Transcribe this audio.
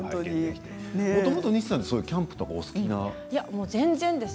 もともと西さんはキャンプとか全然です。